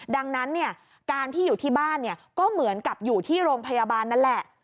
ดังนั้นการที่อยู่ที่บ้านก็เหมือนกับอยู่ที่โรงพยาบาลนั่นแหละ